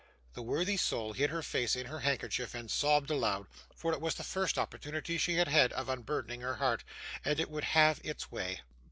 The worthy soul hid her face in her handkerchief, and sobbed aloud; for it was the first opportunity she had had of unburdening her heart, and it would have its way.